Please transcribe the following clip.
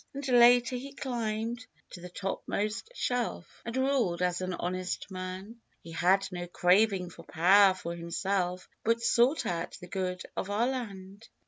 And later he climbed to the top most "shelf," And ruled as an honest man," He had no craving for power for himself, But sought out the good of our land.